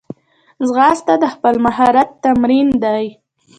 ځغاسته د خپل مهارت تمرین دی